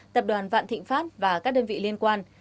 tập đoàn vạn thịnh pháp và các đơn vị liên quan